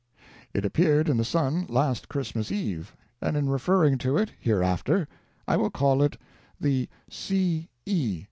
It appeared in the Sun last Christmas Eve, and in referring to it hereafter I will call it the "C. E.